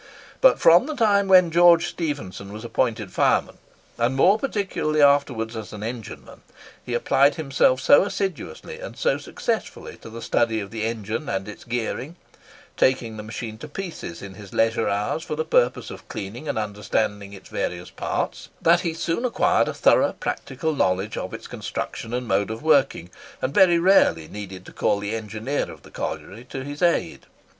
But from the time when George Stephenson was appointed fireman, and more particularly afterwards as engineman, he applied himself so assiduously and so successfully to the study of the engine and its gearing—taking the machine to pieces in his leisure hours for the purpose of cleaning and understanding its various parts—that he soon acquired a thorough practical knowledge of its construction and mode of working, and very rarely needed to call the engineer of the colliery to his aid.